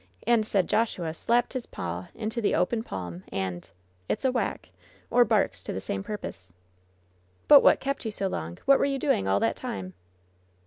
And said Joshua slapped his paw into the open palm, and —" It's a whack !' or barks to the same purpose." "But what kept you so long ? What were you doing all that time?"